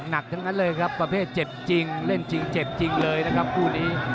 หนักทั้งนั้นเลยครับประเภทเจ็บจริงเล่นจริงเจ็บจริงเลยนะครับคู่นี้